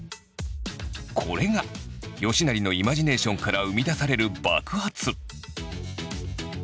これが吉成のイマジネーションから生み出される爆発。